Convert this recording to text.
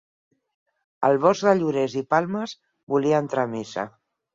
El bosc de llorers i palmes volia entrar a missa.